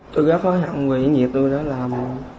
tôi gấp hết hạng nguy hiểm nhiệt tôi đã làm